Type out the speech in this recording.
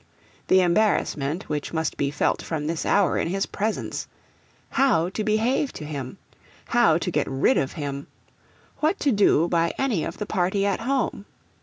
The embarrassment which must be felt from this hour in his presence! How to behave to him? How to get rid of him? What to do by any of the party at home?